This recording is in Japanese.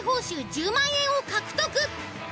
１０万円を獲得。